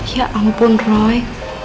ya ampun roy